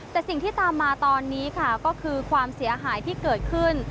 แต่สิ่งที่ตามมาตอนนี้ค่ะก็คือความเสียหายที่เกิดขึ้น